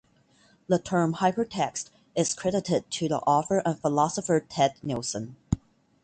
The term "hypertext" is credited to the author and philosopher Ted Nelson.